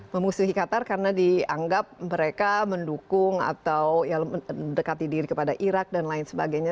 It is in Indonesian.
memusuhi qatar karena dianggap mereka mendukung atau mendekati diri kepada irak dan lain sebagainya